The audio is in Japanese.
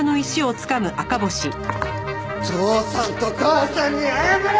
父さんと母さんに謝れ！